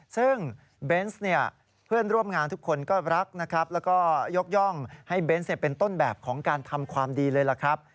ซึ่งเบนส์เนี่ยเพื่อนร่วมงานทุกคนก็รักนะครับแล้วก็ยกย่องให้เบนส์เป็นต้นแบบของการทำความดีเลยล่ะครับ